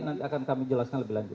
nanti akan kami jelaskan lebih lanjut